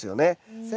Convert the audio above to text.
先生